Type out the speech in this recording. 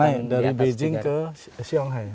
nah ini dari beijing ke siang